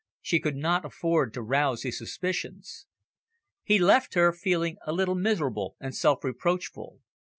She could not afford to rouse his suspicions. He left her feeling a little miserable and self reproachful.